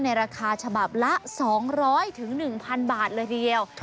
ราคาฉบับละ๒๐๐๑๐๐บาทเลยทีเดียว